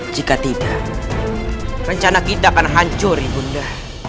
jika tidak rencana kita akan hancur ibu nda